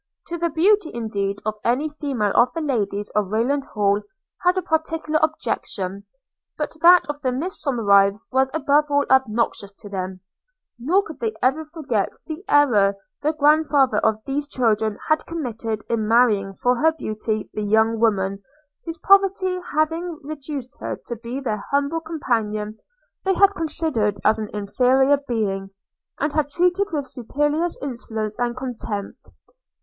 – To the beauty indeed of any female the ladies of Rayland Hall had a particular objection, but that of the Miss Somerives was above all obnoxious to them – Nor could they ever forget the error the grandfather of these children had committed in marrying for her beauty the young woman, whose poverty having reduced her to be their humble companion, they had considered as an inferior being, and had treated with supercilious insolence and contempt.